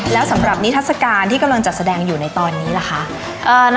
แล้วสำหรับนิทัศกาลที่กำลังจัดแสดงอยู่ในตอนนี้ล่ะคะ